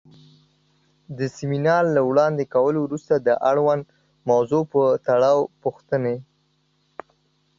د سمینار له وړاندې کولو وروسته د اړونده موضوع پۀ تړاؤ پوښتنې